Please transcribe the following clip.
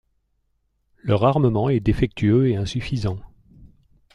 Leurs armement est défectueux et insuffisant.